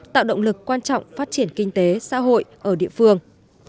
tạo động lực quan trọng phát triển kinh tế xã hội ở địa phương